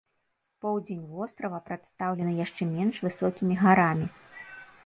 Поўдзень вострава прадстаўлены яшчэ менш высокімі гарамі.